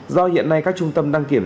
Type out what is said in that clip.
do hiện nay các trung tâm đăng kiểm